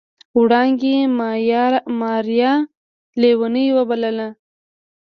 وړانګې ماريا ليونۍ وبلله.